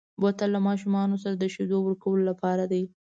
بوتل له ماشومو سره د شیدو ورکولو لپاره دی.